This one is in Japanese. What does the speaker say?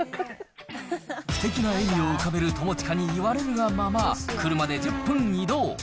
不敵な笑みを浮かべる友近に言われるがまま、車で１０分移動。